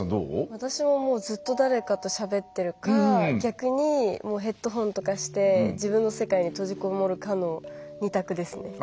私もずっと誰かとしゃべってるか逆にヘッドホンとかして自分の世界に閉じこもるかの２択ですね。